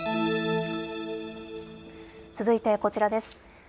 続いてこちらです。